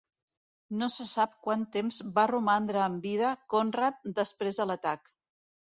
No se sap quant temps va romandre amb vida Conrad després de l'atac.